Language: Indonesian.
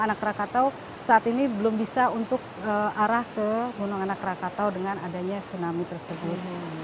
anak rakatau saat ini belum bisa untuk arah ke gunung anak rakatau dengan adanya tsunami tersebut